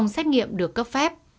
xét nghiệm được cấp phép